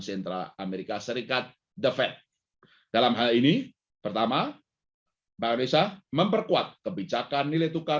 sentra amerika serikat the fed dalam hal ini pertama bank indonesia memperkuat kebijakan nilai tukar